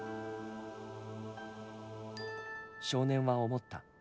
少年は思った。